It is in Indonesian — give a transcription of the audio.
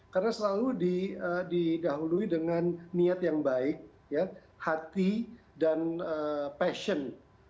karena selalu didahului dengan niat yang baik hati dan passion